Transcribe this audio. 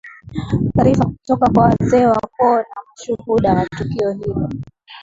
rifa kutoka kwa wazee wa koo na mashuhuda wa tukio hilo